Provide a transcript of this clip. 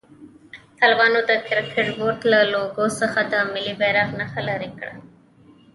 طالبانو د کرکټ بورډ له لوګو څخه د ملي بيرغ نښه لېري کړه.